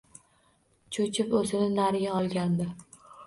Cho‘chib o‘zini nari olgandi